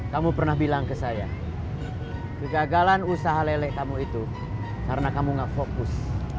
kamu pernah bilang ke saya kegagalan usaha lele kamu itu karena kamu gak fokus